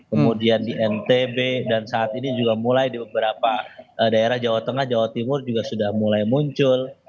kemudian di ntb dan saat ini juga mulai di beberapa daerah jawa tengah jawa timur juga sudah mulai muncul